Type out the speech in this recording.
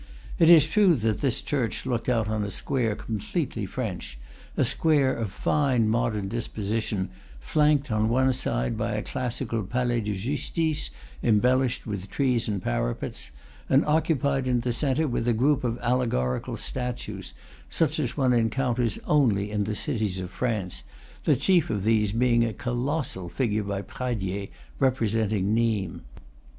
It is true that this church looked out on a square completely French, a square of a fine modern disposition, flanked on one side by a classical palais de justice embellished with trees and parapets, and occupied in the centre with a group of allegorical statues, such as one encounters only in the cities of France, the chief of these being a colossal figure by Pradier, representing Nimes.